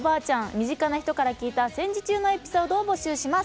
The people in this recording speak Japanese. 身近な人から聞いた戦時中のエピソードを募集します。